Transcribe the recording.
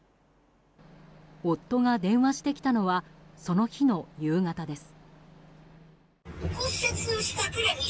夫が電話してきたのはその日の夕方です。